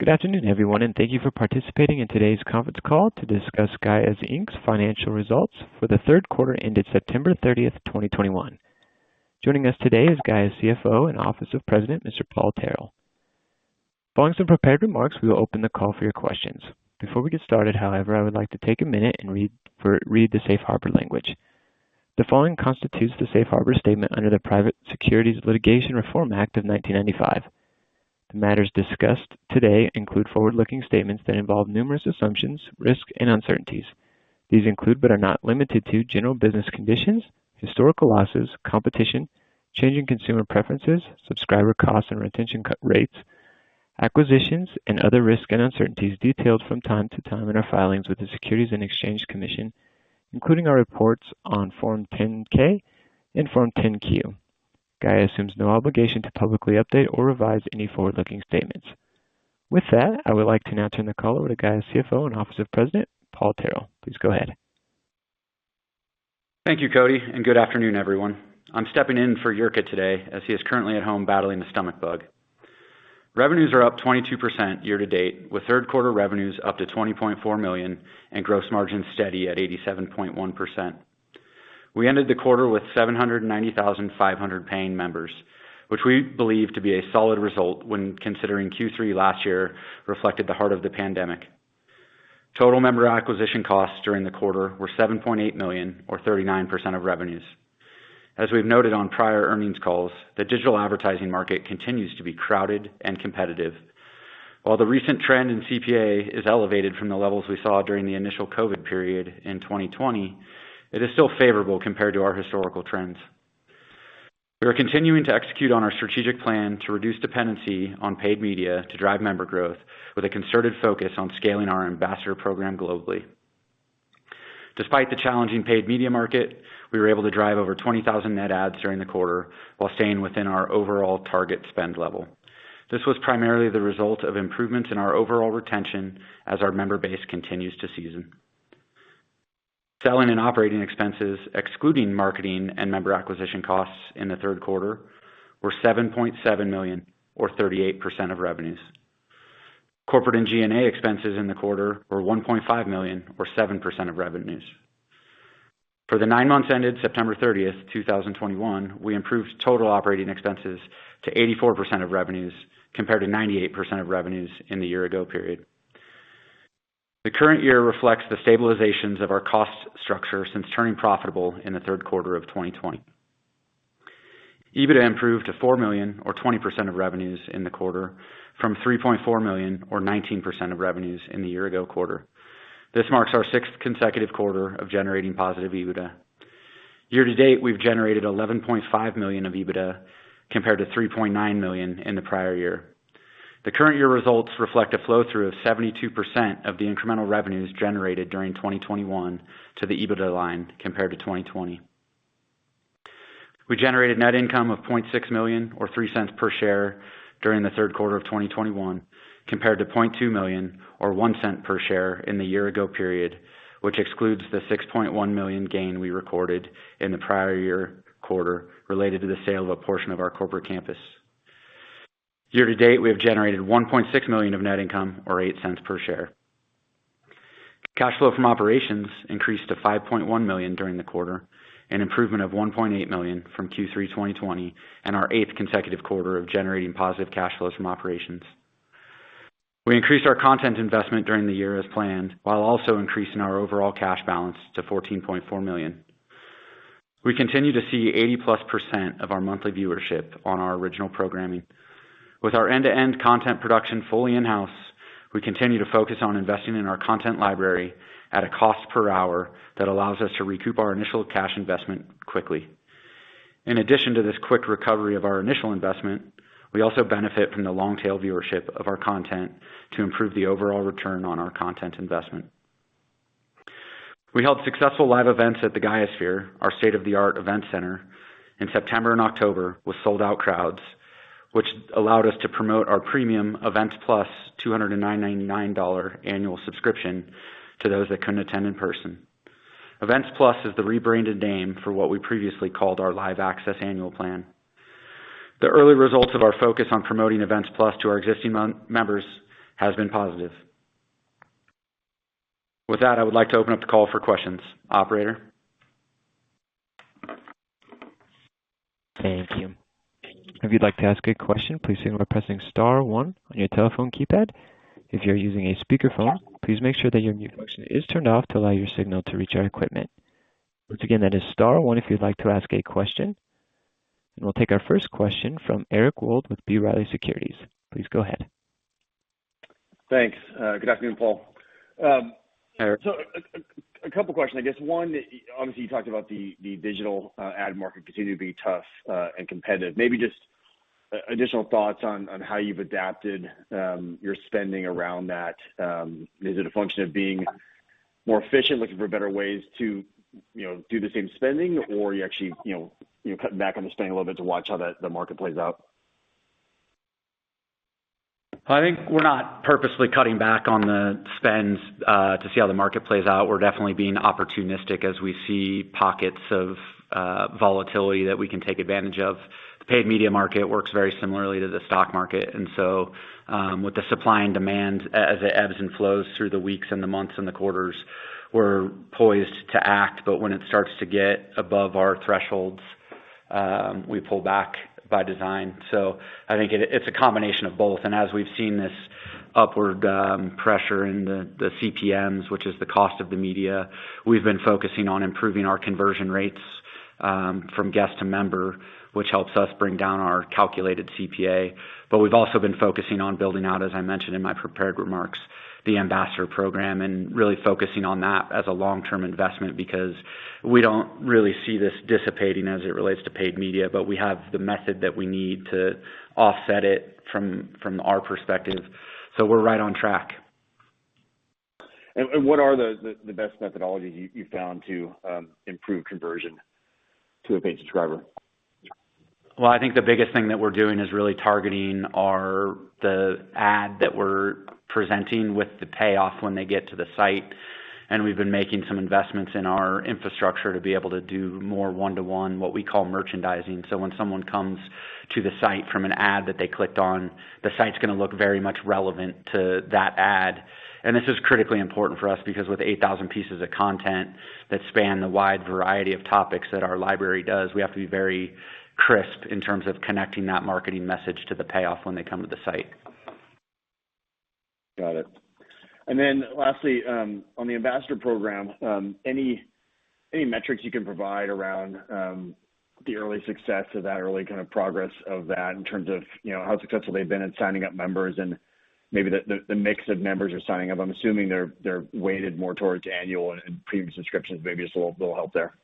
Good afternoon, everyone, and thank you for participating in today's conference call to discuss Gaia, Inc.'s financial results for the Q3 ended September 30, 2021. Joining us today is Gaia's CFO, Paul Tarell. Following some prepared remarks, we will open the call for your questions. Before we get started, however, I would like to take a minute and read the safe harbor language. The following constitutes the safe harbor statement under the Private Securities Litigation Reform Act of 1995. The matters discussed today include forward-looking statements that involve numerous assumptions, risks, and uncertainties. These include, but are not limited to general business conditions, historical losses, competition, changing consumer preferences, subscriber costs and retention cut rates, acquisitions and other risks and uncertainties detailed from time to time in our filings with the Securities and Exchange Commission, including our reports on Form 10-K and Form 10-Q. Gaia assumes no obligation to publicly update or revise any forward-looking statements. With that, I would like to now turn the call over to Gaia's CFO and Office of President, Paul Tarell. Please go ahead. Thank you, Cody, and good afternoon, everyone. I'm stepping in for Jirka today as he is currently at home battling a stomach bug. Revenues are up 22% year-to-date, with Q3 revenues up to $20.4 million and gross margin steady at 87.1%. We ended the quarter with 790,500 paying members, which we believe to be a solid result when considering Q3 last year reflected the heart of the pandemic. Total member acquisition costs during the quarter were $7.8 million or 39% of revenues. As we've noted on prior earnings calls, the digital advertising market continues to be crowded and competitive. While the recent trend in CPA is elevated from the levels we saw during the initial COVID period in 2020, it is still favorable compared to our historical trends. We are continuing to execute on our strategic plan to reduce dependency on paid media to drive member growth with a concerted focus on scaling our ambassador program globally. Despite the challenging paid media market, we were able to drive over 20,000 net adds during the quarter while staying within our overall target spend level. This was primarily the result of improvements in our overall retention as our member base continues to season. Selling and operating expenses, excluding marketing and member acquisition costs in the Q3, were $7.7 million or 38% of revenues. Corporate and G&A expenses in the quarter were $1.5 million or 7% of revenues. For the 9 months ended September 30, 2021, we improved total operating expenses to 84% of revenues compared to 98% of revenues in the year ago period. The current year reflects the stabilizations of our cost structure since turning profitable in the Q3 of 2020. EBITDA improved to $4 million or 20% of revenues in the quarter, from $3.4 million or 19% of revenues in the year-ago quarter. This marks our sixth consecutive quarter of generating positive EBITDA. Year to date, we've generated $11.5 million of EBITDA compared to $3.9 million in the prior year. The current year results reflect a flow through of 72% of the incremental revenues generated during 2021 to the EBITDA line compared to 2020. We generated net income of $0.6 million or $0.03 per share during the Q3 of 2021 compared to $0.2 million or $0.01 per share in the year ago period, which excludes the $6.1 million gain we recorded in the prior year quarter related to the sale of a portion of our corporate campus. Year to date, we have generated $1.6 million of net income or $0.08 per share. Cash flow from operations increased to $5.1 million during the quarter, an improvement of $1.8 million from Q3 2020 and our eighth consecutive quarter of generating positive cash flow from operations. We increased our content investment during the year as planned, while also increasing our overall cash balance to $14.4 million. We continue to see 80%+ of our monthly viewership on our original programming. With our end-to-end content production fully in-house, we continue to focus on investing in our content library at a cost per hour that allows us to recoup our initial cash investment quickly. In addition to this quick recovery of our initial investment, we also benefit from the long tail viewership of our content to improve the overall return on our content investment. We held successful live events at the Gaiasphere, our state-of-the-art event center in September and October with sold-out crowds, which allowed us to promote our premium Events Plus $299 annual subscription to those that couldn't attend in person. Events Plus is the rebranded name for what we previously called our Live Access annual plan. The early results of our focus on promoting Events+ to our existing members has been positive. With that, I would like to open up the call for questions. Operator? Thank you. If you'd like to ask a question, please signal by pressing star one on your telephone keypad. If you're using a speakerphone, please make sure that your mute function is turned off to allow your signal to reach our equipment. Once again, that is star one if you'd like to ask a question, and we'll take our first question from Eric Wold with B. Riley Securities. Please go ahead. Thanks. Good afternoon, Paul. Eric. A couple questions, I guess. One, obviously you talked about the digital ad market continuing to be tough and competitive. Maybe just additional thoughts on how you've adapted your spending around that. Is it a function of being more efficient, looking for better ways to, you know, do the same spending? Or are you actually, you know, you're cutting back on the spending a little bit to watch how the market plays out? I think we're not purposely cutting back on the spends to see how the market plays out. We're definitely being opportunistic as we see pockets of volatility that we can take advantage of. The paid media market works very similarly to the stock market. With the supply and demand as it ebbs and flows through the weeks and the months and the quarters, we're poised to act. When it starts to get above our thresholds, we pull back by design. I think it's a combination of both. As we've seen this upward pressure in the CPMs, which is the cost of the media, we've been focusing on improving our conversion rates from guest to member, which helps us bring down our calculated CPA. We've also been focusing on building out, as I mentioned in my prepared remarks, the Ambassador program, and really focusing on that as a long-term investment, because we don't really see this dissipating as it relates to paid media, but we have the method that we need to offset it from our perspective. We're right on track. What are the best methodologies you've found to improve conversion to a paid subscriber? Well, I think the biggest thing that we're doing is really targeting the ad that we're presenting with the payoff when they get to the site. We've been making some investments in our infrastructure to be able to do more one-to-one, what we call merchandising. When someone comes to the site from an ad that they clicked on, the site's gonna look very much relevant to that ad. This is critically important for us because with 8,000 pieces of content that span the wide variety of topics that our library does, we have to be very crisp in terms of connecting that marketing message to the payoff when they come to the site. Got it. Lastly, on the Ambassador program, any metrics you can provide around the early success of that early progress of that in terms of, you know, how successful they've been in signing up members and maybe the mix of members you're signing up. I'm assuming they're weighted more towards annual and premium subscriptions. Maybe just a little help there.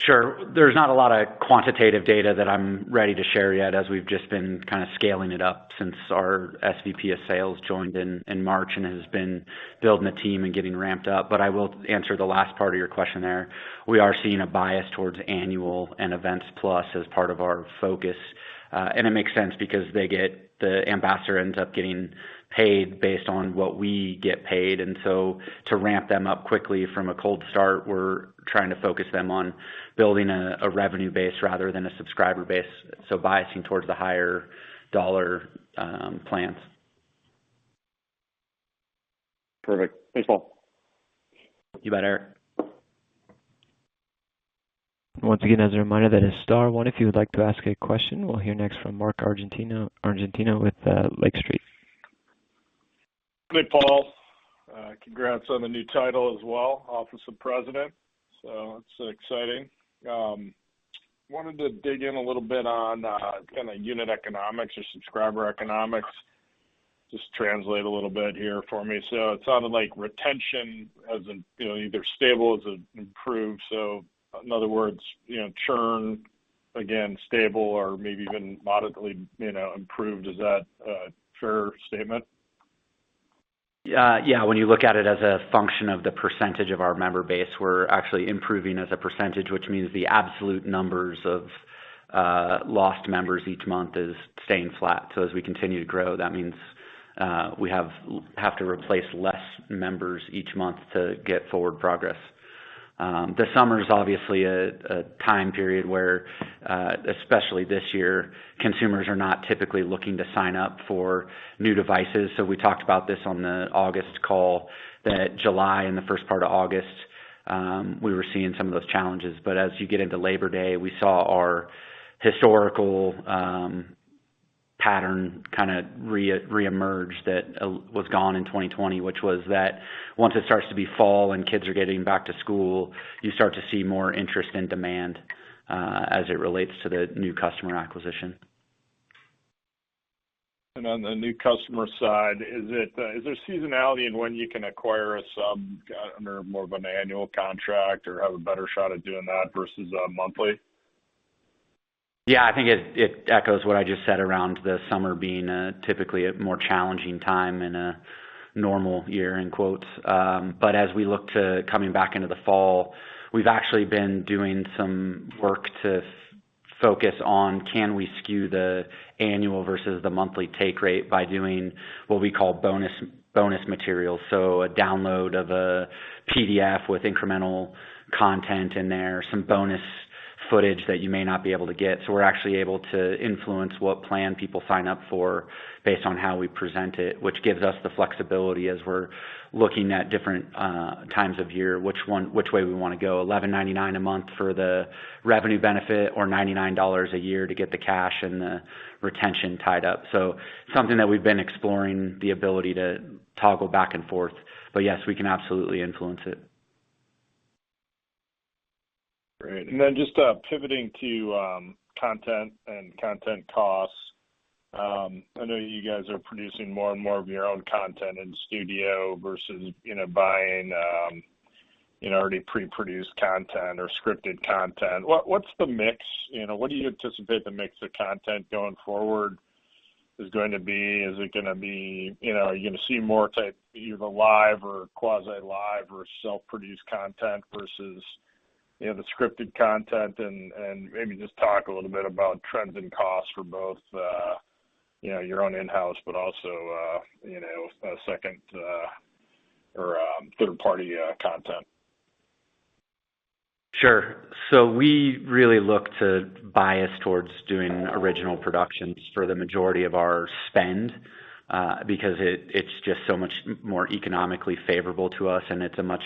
Sure. There's not a lot of quantitative data that I'm ready to share yet as we've just been scaling it up since our SVP of sales joined in March and has been building the team and getting ramped up. I will answer the last part of your question there. We are seeing a bias towards annual and Events+ as part of our focus. It makes sense because the ambassador ends up getting paid based on what we get paid. To ramp them up quickly from a cold start, we're trying to focus them on building a revenue base rather than a subscriber base, so biasing towards the higher dollar plans. Perfect. Thanks, Paul. You bet, Eric. Once again, as a reminder, that is star one if you would like to ask a question. We'll hear next from Mark Argento with Lake Street. Hey, Paul. Congrats on the new title as well, office of President. That's exciting. Wanted to dig in a little bit on unit economics or subscriber economics. Just translate a little bit here for me. It sounded like retention hasn't, you know, either stable or improved. In other words, you know, churn, again, stable or maybe even moderately, you know, improved. Is that a fair statement? Yeah, when you look at it as a function of the percentage of our member base, we're actually improving as a percentage, which means the absolute numbers of lost members each month is staying flat. As we continue to grow, that means we have to replace less members each month to get forward progress. The summer is obviously a time period where, especially this year, consumers are not typically looking to sign up for new devices. We talked about this on the August call, that July and the first part of August, we were seeing some of those challenges. As you get into Labor Day, we saw our historical pattern reemerge that was gone in 2020, which was that once it starts to be fall and kids are getting back to school, you start to see more interest and demand as it relates to the new customer acquisition. On the new customer side, is there seasonality in when you can acquire some under more of an annual contract or have a better shot at doing that versus a monthly? Yeah, I think it echoes what I just said around the summer being typically a more challenging time in a normal year, in quotes. As we look to coming back into the fall, we've actually been doing some work to focus on can we skew the annual versus the monthly take rate by doing what we call bonus material. A download of a PDF with incremental content in there, some bonus footage that you may not be able to get. We're actually able to influence what plan people sign up for based on how we present it, which gives us the flexibility as we're looking at different times of year, which way we wanna go, $11.99 a month for the revenue benefit or $99 a year to get the cash and the retention tied up. Something that we've been exploring, the ability to toggle back and forth. Yes, we can absolutely influence it. Great. Just pivoting to content and content costs. I know you guys are producing more and more of your own content in studio versus, you know, buying you know, already pre-produced content or scripted content. What's the mix? You know, what do you anticipate the mix of content going forward is going to be? Is it gonna be you know, are you gonna see more type either live or quasi live or self-produced content versus, you know, the scripted content? Maybe just talk a little bit about trends and costs for both you know, your own in-house, but also you know, a second or third party content. Sure. We really look to bias towards doing original productions for the majority of our spend, because it's just so much more economically favorable to us, and it's a much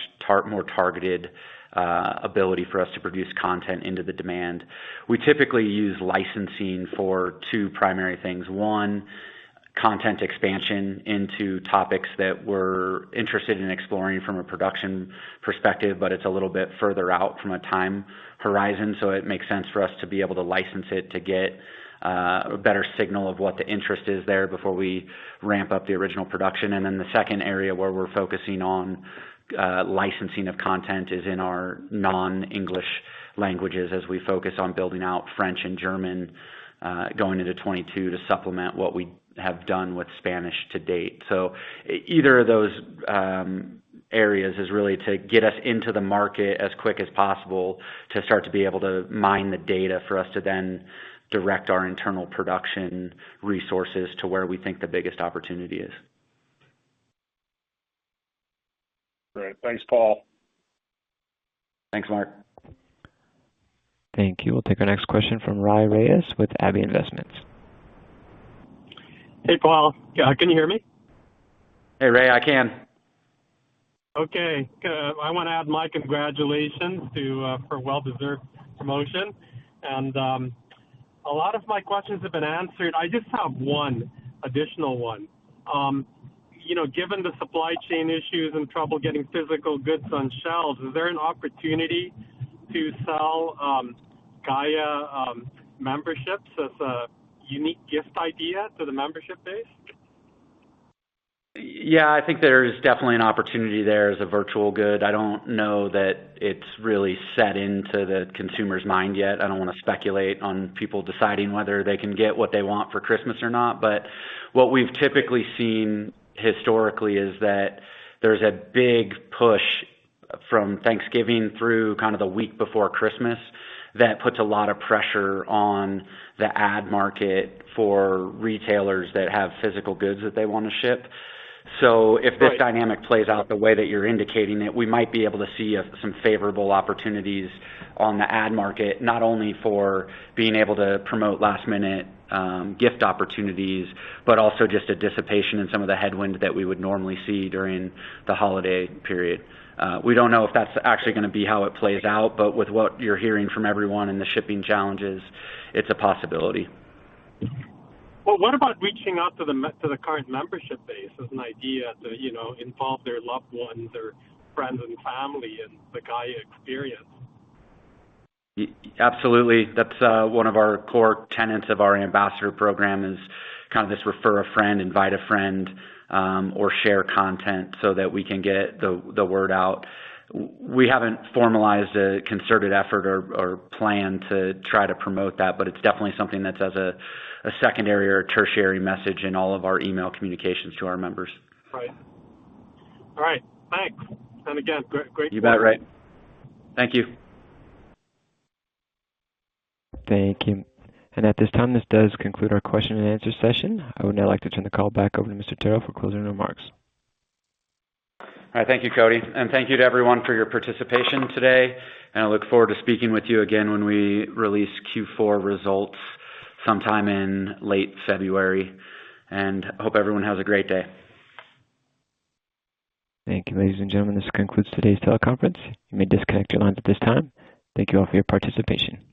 more targeted ability for us to produce content into the demand. We typically use licensing for two primary things. One, content expansion into topics that we're interested in exploring from a production perspective, but it's a little bit further out from a time horizon, so it makes sense for us to be able to license it to get a better signal of what the interest is there before we ramp up the original production. The second area where we're focusing on licensing of content is in our non-English languages as we focus on building out French and German going into '22 to supplement what we have done with Spanish to date. Either of those areas is really to get us into the market as quick as possible to start to be able to mine the data for us to then direct our internal production resources to where we think the biggest opportunity is. Great. Thanks, Paul. Thanks, Mark. Thank you. We'll take our next question from Rainero Reyes with Abbey Investments. Hey, Paul. Can you hear me? Hey, Rainero, I can. Okay. I wanna add my congratulations to for a well-deserved promotion. A lot of my questions have been answered. I just have one additional one. You know, given the supply chain issues and trouble getting physical goods on shelves, is there an opportunity to sell Gaia memberships as a unique gift idea to the membership base? Yeah, I think there's definitely an opportunity there as a virtual good. I don't know that it's really set into the consumer's mind yet. I don't wanna speculate on people deciding whether they can get what they want for Christmas or not. What we've typically seen historically is that there's a big push from Thanksgiving through the week before Christmas that puts a lot of pressure on the ad market for retailers that have physical goods that they wanna ship. Right. If this dynamic plays out the way that you're indicating it, we might be able to see some favorable opportunities on the ad market, not only for being able to promote last minute gift opportunities, but also just a dissipation in some of the headwind that we would normally see during the holiday period. We don't know if that's actually gonna be how it plays out, but with what you're hearing from everyone and the shipping challenges, it's a possibility. Well, what about reaching out to the current membership base as an idea to, you know, involve their loved ones or friends and family in the Gaia experience? Yeah, absolutely. That's one of our core tenets of our ambassador program, is this refer a friend, invite a friend, or share content so that we can get the word out. We haven't formalized a concerted effort or plan to try to promote that, but it's definitely something that's as a secondary or tertiary message in all of our email communications to our members. Right. All right. Thanks. Again, great call. You bet, Rai. Thank you. Thank you. At this time, this does conclude our question and answer session. I would now like to turn the call back over to Mr. Tarell for closing remarks. All right. Thank you, Cody. Thank you to everyone for your participation today, and I look forward to speaking with you again when we release Q4 results sometime in late February. I hope everyone has a great day. Thank you. Ladies and gentlemen, this concludes today's teleconference. You may disconnect your lines at this time. Thank you all for your participation.